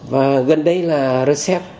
và gần đây là rcep